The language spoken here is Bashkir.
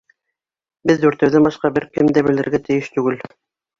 Беҙ дүртәүҙән башҡа бер кем дә белергә тейеш түгел!